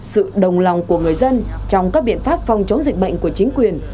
sự đồng lòng của người dân trong các biện pháp phòng chống dịch bệnh của chính quyền